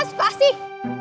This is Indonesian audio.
eh suka sih